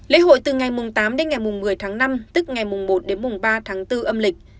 lễ hội từ ngày tám đến ngày một mươi tháng năm tức ngày một đến ba tháng bốn âm lịch